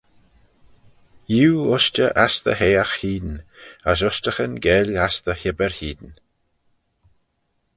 Iu ushtey ass dty haagh hene, as ushtaghyn geill ass dty hibbyr hene.